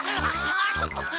あっそこ！